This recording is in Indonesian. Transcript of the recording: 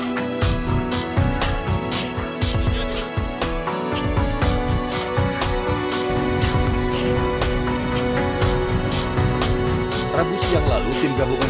memang kita sudah bisa mendapatkan